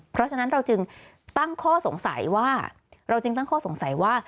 เพราะฉะนั้นเราจึงตั้งข้อสงสัยว่า